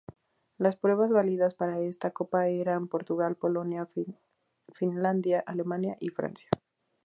Las pruebas válidas para esta copa eran: Portugal, Polonia, Finlandia, Alemania y Francia.